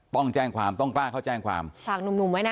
ต้องแจ้งความต้องกล้าเข้าแจ้งความฝากหนุ่มไว้นะ